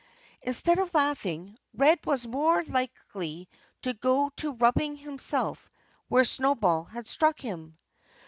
Instead of laughing, Red was more likely to go to rubbing himself where Snowball had struck him.